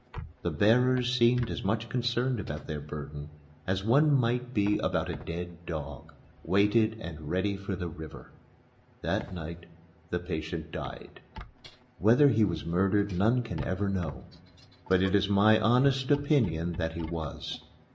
The bearers seemed as much concerned about their burden as one might be about a dead dog, weighted and ready for the river. That night the patient died. Whether he was murdered none can ever know. But it is my honest opinion that he was.